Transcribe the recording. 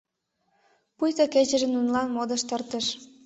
Пуйто кечыже нунылан модыш тыртыш.